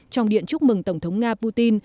trong điện chúc mừng tổng thống nga putin